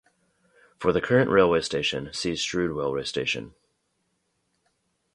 For the current railway station see Strood railway station.